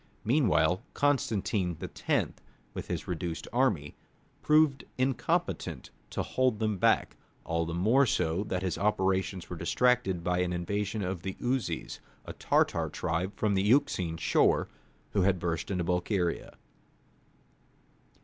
Meanwhile, Constantine X., with his reduced army, proved incompetent to hold them back; all the more so that his operations were distracted by an invasion of the Uzes, a Tartar tribe from the Euxine shore, who had burst into Bulgaria.